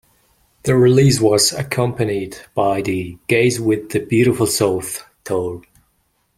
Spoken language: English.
The release was accompanied by the "Gaze With The Beautiful South" tour.